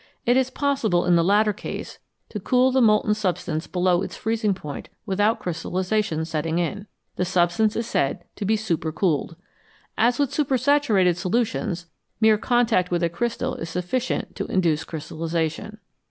It is possible in the latter case to cool the molten substance below its freezing point without crystal lisation setting in ; the substance is said to be u super cooled." As with supersaturated solutions, mere contact with a crystal is sufficient to induce crystallisation.